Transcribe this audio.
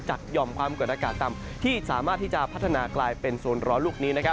หย่อมความกดอากาศต่ำที่สามารถที่จะพัฒนากลายเป็นโซนร้อนลูกนี้